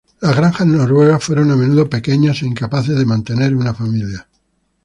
Las granjas noruegas fueron a menudo pequeñas e incapaces de mantener una familia.